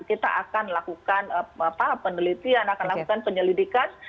kita akan lakukan penelitian akan lakukan penyelidikan